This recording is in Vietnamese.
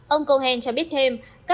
ông cohen cho biết thêm